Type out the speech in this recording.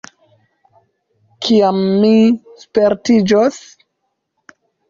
Kiam mi spertiĝos?